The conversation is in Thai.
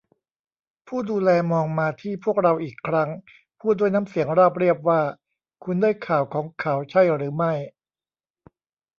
ผู้ดูแลมองมาที่พวกเราอีกครั้ง พูดด้วยน้ำเสียงราบเรียบว่า คุณได้ข่าวของเขาใช่หรือไม่